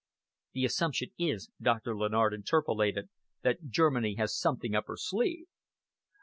"The assumption is," Doctor Lennard interpolated, "that Germany has something up her sleeve."